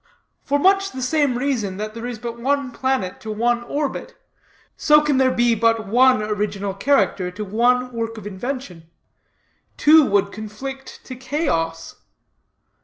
For much the same reason that there is but one planet to one orbit, so can there be but one such original character to one work of invention. Two would conflict to chaos.